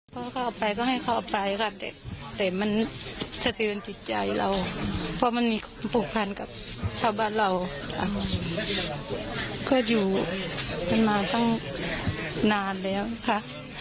พ่อเขาเอาไปก็ให้เขาเอาไปค่ะแต่มันสะเทือนจิตใจเราเพราะมันมีความผูกพันกับชาวบ้านเราก็อยู่กันมาตั้งนานแล้วค่ะ